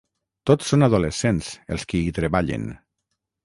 Tots són adolescents els qui hi treballen.